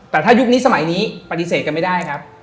แต่ถ้ายุคนี้สมัยนี้ปฏิเสธกันไม่ได้ครับ